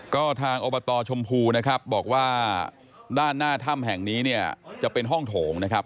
ก็ทางอบตชมพูนะครับบอกว่าด้านหน้าถ้ำแห่งนี้เนี่ยจะเป็นห้องโถงนะครับ